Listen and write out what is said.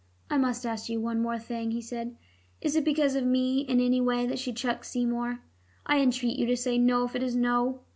"I must ask you one more thing," he said. "Is it because of me in any way that she chucked Seymour? I entreat you to say 'no' if it is 'no.'"